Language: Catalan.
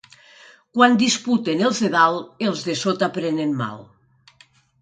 Quan disputen els de dalt, els de sota prenen mal.